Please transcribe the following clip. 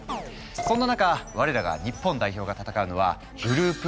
そんな中我らが日本代表が戦うのはグループＥ。